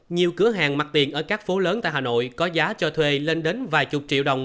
nhiều cửa hàng mặt tiền ở các phố lớn tại hà nội có giá cho thuê lên đến vài chục triệu đồng